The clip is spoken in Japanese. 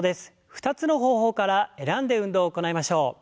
２つの方法から選んで運動を行いましょう。